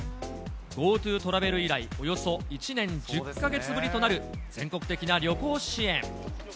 ＧｏＴｏトラベル以来、およそ１年１０か月ぶりとなる全国的な旅行支援。